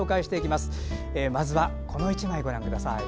まずはこの１枚ご覧ください。